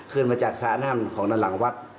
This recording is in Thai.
ขึ้นมาจากสระนั่งของสระหลังวัด